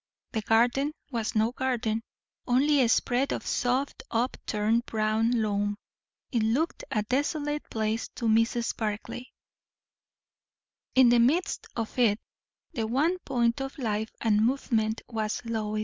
The garden was no garden, only a spread of soft, up turned brown loam. It looked a desolate place to Mrs. Barclay. In the midst of it, the one point of life and movement was Lois.